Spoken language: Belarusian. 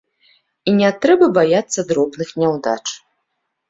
І не трэба баяцца дробных няўдач.